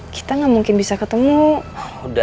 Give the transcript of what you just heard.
kita gak mungkin bisa berangkat ke kalimantan ya